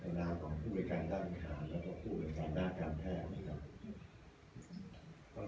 ในหน้าของภูมิการร่างการและภูมิการร่างการแพทย์นะครับ